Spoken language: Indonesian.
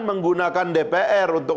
menggunakan dpr untuk